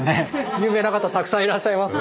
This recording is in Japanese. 有名な方たくさんいらっしゃいます。